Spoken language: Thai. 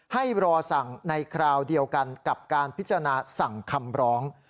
ให้รอสั่งในคราวเดียวกันกับการพิจารณาสั่งคำร้อง